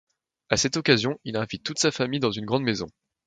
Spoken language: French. À cette occasion, il invite toute sa famille dans une grande maison.